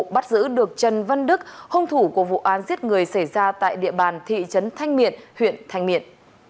bắt giữ được trần văn đức hông thủ của vụ án giết người xảy ra tại địa bàn thị trấn thanh miện huyện thanh miện